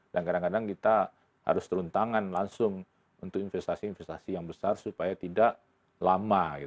dan kadang kadang kita harus turun tangan langsung untuk investasi investasi yang besar supaya tidak lama